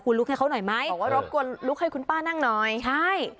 คุณลุกให้เขาหน่อยไหมบอกว่ารบกวนลุกให้คุณป้านั่งหน่อยใช่